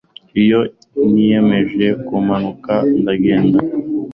Iyo niyemeje kumanuka ndagenda